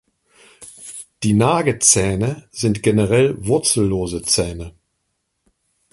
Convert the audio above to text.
Die Nagezähne sind generell wurzellose Zähne.